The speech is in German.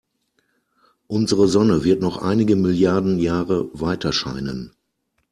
Unsere Sonne wird noch einige Milliarden Jahre weiterscheinen.